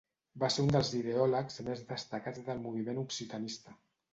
Va ser un dels ideòlegs més destacats del moviment occitanista.